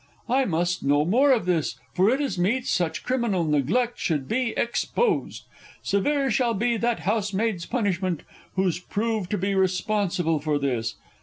I must know more of this for it is meet Such criminal neglect should be exposed. Severe shall be that house maid's punishment Who's proved to be responsible for this!